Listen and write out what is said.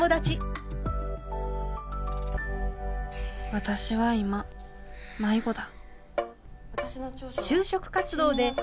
私は今迷子だ。